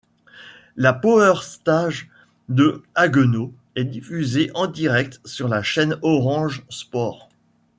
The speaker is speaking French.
La Power Stage de Haguenau est diffusée en direct sur la chaîne Orange sport.